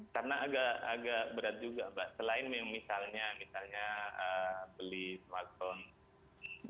karena agak berat juga mbak selain yang misalnya misalnya beli smartphone